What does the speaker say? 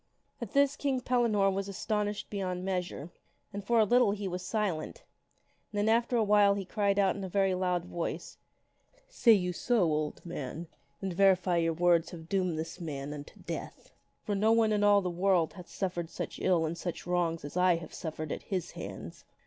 " At this King Pellinore was astonished beyond measure. And for a little he was silent, and then after awhile he cried out in a very loud voice, " Say you so, old man ? Then verily your words have doomed this man unto death. For no one in all this world hath ever suffered such ill and such wrongs as I have suffered at his hands.